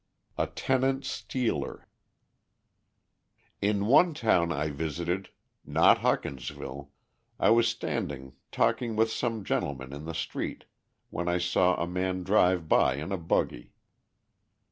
A Tenant Stealer In one town I visited not Hawkinsville I was standing talking with some gentlemen in the street when I saw a man drive by in a buggy.